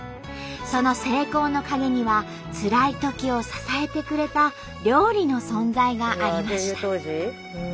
その成功の陰にはつらいときを支えてくれた料理の存在がありました。